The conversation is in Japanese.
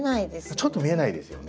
ちょっと見えないですよね。